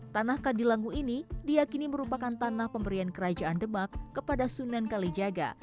tanah kadilangu ini diakini merupakan tanah pemberian kerajaan demak kepada sunan kalijaga